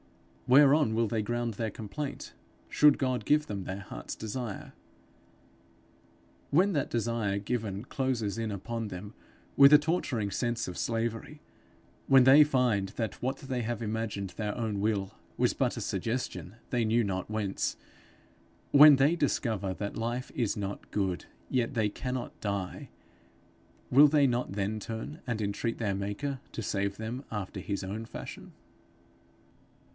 Whereon will they ground their complaint should God give them their hearts' desire? When that desire given closes in upon them with a torturing sense of slavery; when they find that what they have imagined their own will, was but a suggestion they knew not whence; when they discover that life is not good, yet they cannot die; will they not then turn and entreat their maker to save them after his own fashion?